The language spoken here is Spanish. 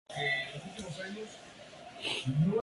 Ой, пливе кача по Тисині.